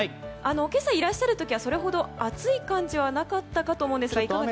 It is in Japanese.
今朝、いらっしゃる時はそれほど暑い感じはなかったかと思いますがいかがですか。